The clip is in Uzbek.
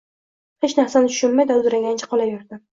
Hech narsani tushunmay, dovdiragancha qolaverdim